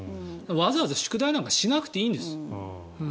わざわざ宿題なんかしなくていいんです。